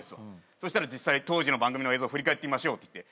そしたら実際当時の番組の映像振り返ってみましょうって言って。